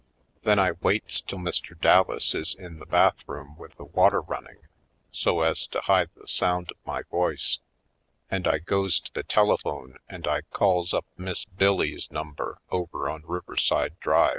Then I waits till Mr. Dallas is in the bathroom with the water running so as to hide the sound of my voice, and I goes to the telephone and I calls up Miss Bill Lee's ^ number over on Riverside Drive.